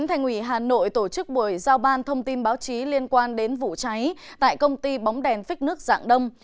thành ủy hà nội tổ chức buổi giao ban thông tin báo chí liên quan đến vụ cháy tại công ty bóng đèn phích nước dạng đông